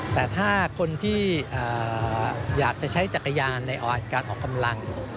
แต่ถ้าคนที่อยากจะใช้จักรยานในการออกกำลัง